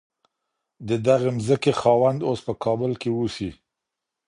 د دغې مځکي خاوند اوس په کابل کي اوسي.